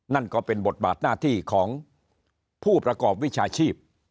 นั่นก็เป็นบทบาทหน้าที่ของผู้ประกอบวิชาชีพ